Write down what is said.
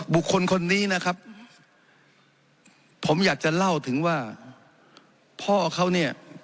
บุคคลคนนี้นะครับผมอยากจะเล่าถึงว่าพ่อเขาเนี่ย